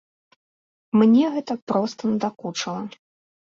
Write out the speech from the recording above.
Мне гэта проста надакучыла.